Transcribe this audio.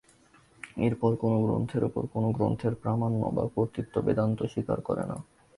অপর কোন গ্রন্থের উপর কোন গ্রন্থের প্রামাণ্য বা কর্তৃত্ব বেদান্ত স্বীকার করে না।